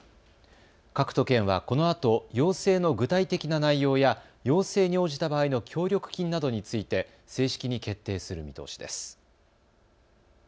各都県はこのあと要請の具体的な内容や要請に応じた場合の協力金などについて正式に決定する見通しです。